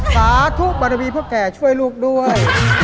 สาธุบารมีพ่อแก่ช่วยลูกด้วย